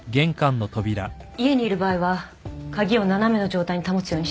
家にいる場合は鍵を斜めの状態に保つようにして。